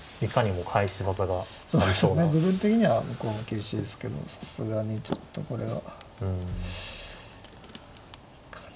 部分的には向こうも厳しいですけどさすがにちょっとこれはいかにもそうですね